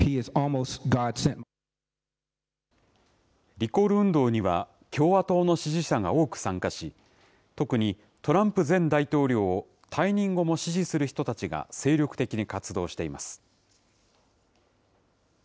リコール運動には、共和党の支持者が多く参加し、特にトランプ前大統領を退任後も支持する人たちが精力的に活動しています。